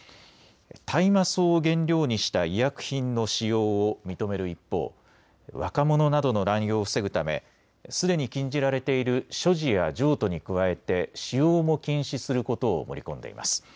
大麻草を原料にした医薬品の使用を認める一方、若者などの乱用を防ぐためすでに禁じられている所持や譲渡に加えて使用も禁止することを盛り込んでいます。